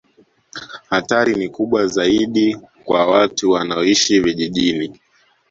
Hatari ni kubwa zaidi kwa watu wanaoishi vijijini